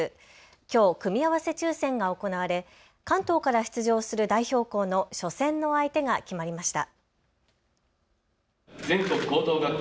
きょう組み合わせ抽せんが行われ関東から出場する代表校の初戦の相手が決まりました。